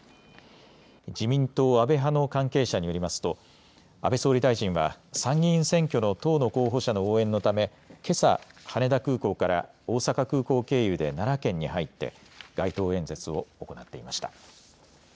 自民党安倍派の関係者によりますと安倍総理大臣は参議院選挙の党の候補者の応援のためけさ、羽田空港から大阪空港経由で奈良県に入って街頭演説を行っていました。